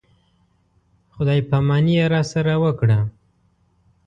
خدای په اماني یې راسره وکړه.